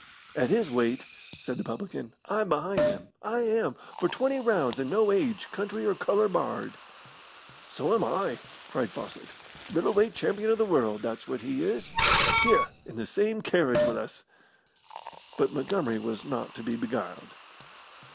"At his weight," said the publican, "I'm behind him, I am, for twenty rounds, and no age, country, or colour barred." "So am I," cried Fawcett; "middle weight champion of the world, that's what he is here, in the same carriage with us." But Montgomery was not to be beguiled.